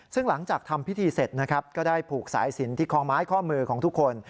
ซึ่งหลังจากทำพิธีเสร็จนะครับก็ได้ผูกสายสินที่คอไม้ข้อมือของทุกคน